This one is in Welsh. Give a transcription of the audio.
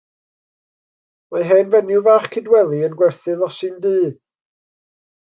Mae hen fenyw fach Cydweli yn gwerthu losin du.